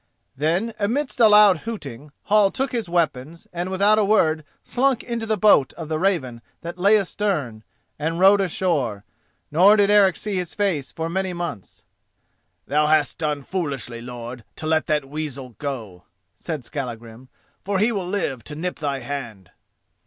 Then amidst a loud hooting, Hall took his weapons and without a word slunk into the boat of the Raven that lay astern, and rowed ashore; nor did Eric see his face for many months. "Thou hast done foolishly, lord, to let that weasel go," said Skallagrim, "for he will live to nip thy hand."